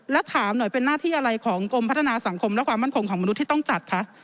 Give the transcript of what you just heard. แล้วถามหน่อยเป็นหน้าที่อะไรของกรมพัฒนาสังคมและความมั่นคงของมนุษย์ที่ต้องจัดคะ